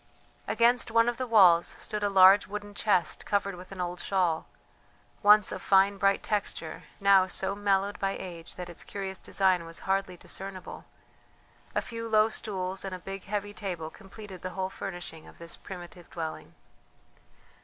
Against one of the walls stood a large wooden chest covered with an old shawl, once of fine bright texture, now so mellowed by age that its curious design was hardly discernible; a few low stools and a big heavy table completed the whole furnishing of this primitive dwelling.